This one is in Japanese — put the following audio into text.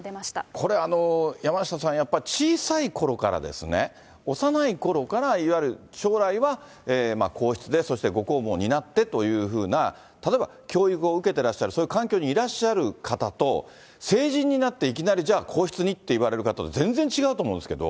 これ、山下さん、やっぱり小さいころから、幼いころから、いわゆる将来は皇室で、そして、ご公務を担ってというふうな、例えば教育を受けてらっしゃる、そういう環境にいらっしゃる方と、成人になって、いきなり、じゃあ、皇室にっていわれる方と、全然違うと思うんですけど。